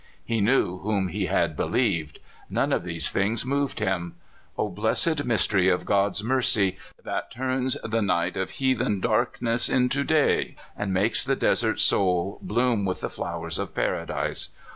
He knew whom he had believed. None of these things moved him. O blessed mystery of God's mercy, that turns the night of heathen darkness into day, and makes the desert soul bloom with the flower? of paradise